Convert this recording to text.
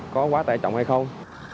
có quá tải trọng hay không